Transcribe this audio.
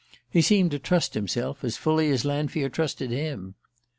He seemed to trust himself as fully as Lanfear trusted him.